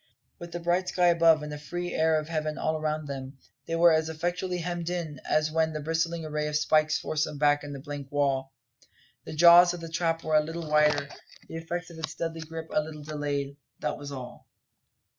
With the bright sky above, and the free air of heaven all around them, they were as effectually hemmed in as when that bristling array of pikes forced them back to the blank wall. The jaws of the trap were a little wider; the effects of its deadly grip a little delayed that was all.